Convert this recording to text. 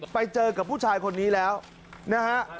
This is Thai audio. ไปเจอกับผู้ชายคนนี้แล้วนะฮะ